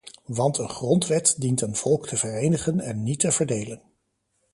Want een grondwet dient een volk te verenigen en niet te verdelen.